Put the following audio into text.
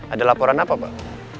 ada laporan apa pak